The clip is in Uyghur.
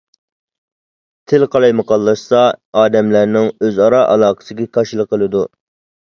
تىل قالايمىقانلاشسا، ئادەملەرنىڭ ئۆزئارا ئالاقىسىگە كاشىلا قىلىدۇ.